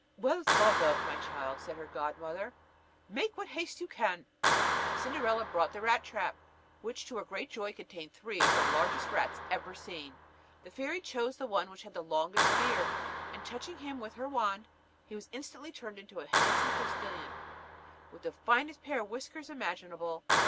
"Well thought of, my child," said her godmother; "make what haste you can." Cinderella brought the rat trap, which, to her great joy, contained three of the largest rats ever seen. The fairy chose the one which had the longest beard; and touching him with her wand, he was instantly turned into a handsome postillion, with the finest pair of whiskers imaginable.